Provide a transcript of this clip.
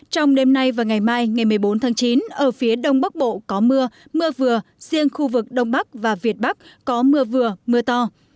trong đêm nay và ngày mai ngày một mươi bốn tháng chín ở phía đông bắc bộ có mưa mưa vừa riêng khu vực đông bắc và việt bắc có mưa vừa mưa to